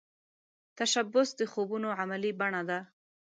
تشبث د خوبونو عملې بڼه ده